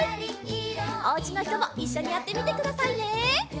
おうちのひともいっしょにやってみてくださいね！